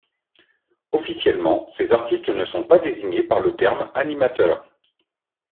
Officiellement, ces artistes ne sont pas désignés par le terme animateur.